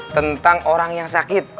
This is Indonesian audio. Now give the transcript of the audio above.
tentang orang yang sakit